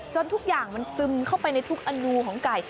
ทุกอย่างมันซึมเข้าไปในทุกอนูของไก่